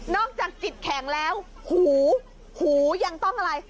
อกจากจิตแข็งแล้วหูหูยังต้องอะไร